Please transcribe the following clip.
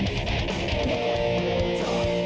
มุนทัน